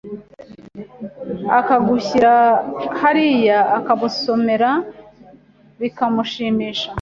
akagushyira hariya ukamusomera bikamushimisha